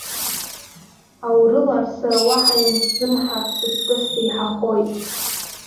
Аурыла, сара уаҳа иансзымҳа, сыҵкыс деиҳахоит.